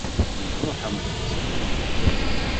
Iṛuḥ am tebṣelt si tebḥirt.